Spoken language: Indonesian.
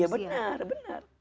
ya benar benar